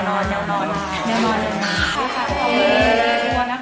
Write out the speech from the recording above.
ขอขอบคุณทุกคนนะคะ